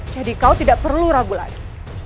jadi kau tidak perlu ragu lagi